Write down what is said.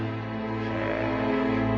へえ。